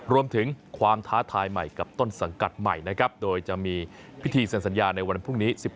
รวมถึงความท้าทายใหม่กับต้นสังกัดใหม่นะครับโดยจะมีพิธีเซ็นสัญญาในวันพรุ่งนี้๑๖